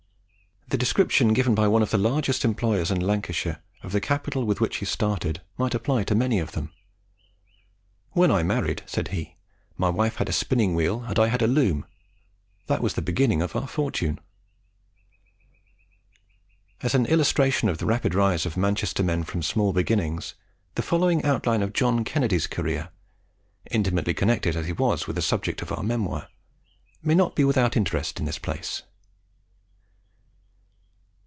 The description given by one of the largest employers in Lancashire, of the capital with which he started, might apply to many of them: "When I married," said he, "my wife had a spinning wheel, and I had a loom that was the beginning of our fortune." As an illustration of the rapid rise of Manchester men from small beginnings, the following outline of John Kennedy's career, intimately connected as he was with the subject of our memoir may not be without interest in this place.